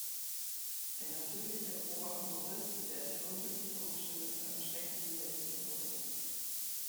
Ein natürlicher grober Humorist, der durch unglückliche Umstände zu einer schrecklichen Bestie wurde.